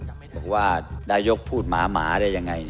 แบบว่าได้ยกพูดมาหมาได้ยังไง